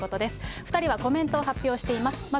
２人はコメントを発表しています。